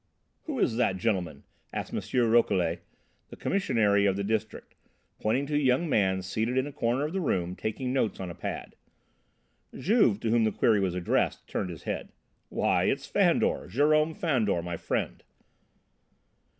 "Who is that gentleman?" asked M. Rouquelet, the Commissary of the district, pointing to a young man seated in a corner of the room, taking notes on a pad. Juve, to whom the query was addressed, turned his head. "Why, it's Fandor, Jerome Fandor, my friend."